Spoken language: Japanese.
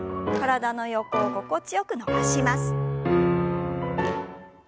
体の横を心地よく伸ばします。